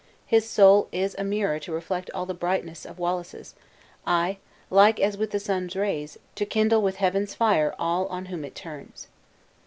His soul is a mirror to reflect all the brightness of Wallace's; ay, like as with the sun's rays, to kindle with heaven's fire all on whom it turns."